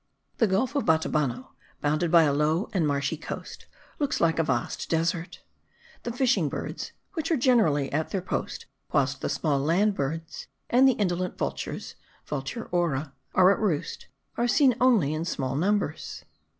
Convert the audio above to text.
The gulf of Batabano, bounded by a low and marshy coast, looks like a vast desert. The fishing birds, which are generally at their post whilst the small land birds, and the indolent vultures (Vultur aura.) are at roost, are seen only in small numbers.